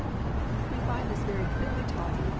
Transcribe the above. We find this very clearly taught in Eph.